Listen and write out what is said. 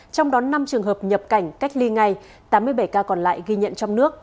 trong đó năm trường hợp nhập cảnh cách ly ngay tám mươi bảy ca còn lại ghi nhận trong nước